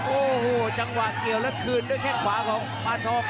โอ้โหจังหวะเกี่ยวแล้วคืนด้วยแข้งขวาของปานทอง